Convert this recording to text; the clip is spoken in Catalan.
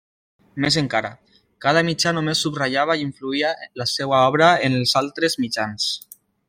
Més encara, cada mitjà només subratllava i influïa la seua obra en els altres mitjans.